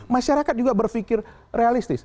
masyarakat juga berfikir realistis